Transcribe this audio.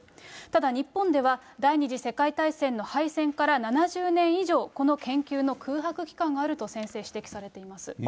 ただ、日本では第２次世界大戦の敗戦から７０年以上、この研究の空白期間があると先生、指摘されています。